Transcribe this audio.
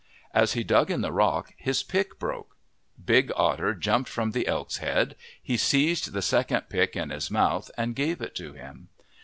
As he dug in the rock, his pick broke. Big Otter jumped from the elk's head. He seized the second pick in his mouth and gave it to him.